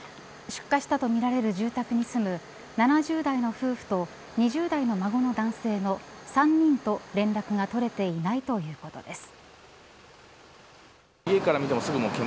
出火したとみられる住宅に住む７０代の夫婦と２０代の孫の男性の３人と連絡が取れていないということです。